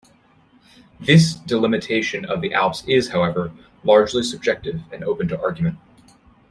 This delimitation of the Alps is, however, largely subjective and open to argument.